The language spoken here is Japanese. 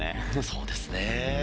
そうですね。